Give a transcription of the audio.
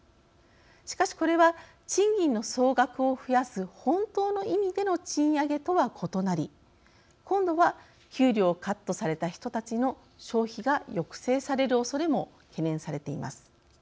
しかしこれは賃金の総額を増やす本当の意味での賃上げとは異なり今度は給料をカットされた人たちの消費が抑制されるおそれも懸念されています。